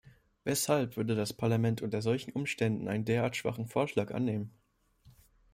Weshalb würde das Parlament unter solchen Umständen einen derart schwachen Vorschlag annehmen?